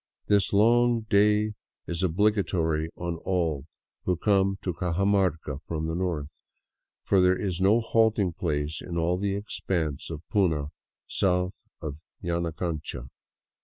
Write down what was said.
This long day is obligatory on all who come to Cajamarca from the north, for there is no halting place in all the expanse of puna south of Yanacancha.